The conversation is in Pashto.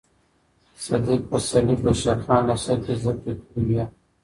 صدیق پسرلي په شېر خان لېسه کې زده کړې کړې وې.